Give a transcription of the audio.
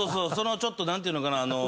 ちょっと何ていうのかな。